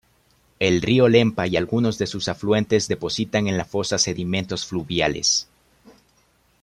El río Lempa y algunos de sus afluentes depositan en la fosa sedimentos fluviales.